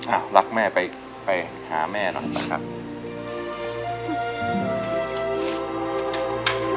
อ่ะรักแม่ไปไปหาแม่หน่อยนะครับ